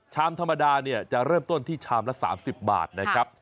ชามธรรมดาเนี่ยจะเริ่มต้นที่ชามละ๓๐บาทนะครับ